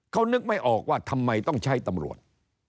เขานึกไม่ออกว่าทำไมต้องใช้ตำรวจ